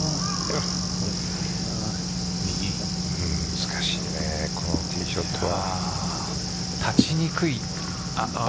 難しいねこのティーショットは。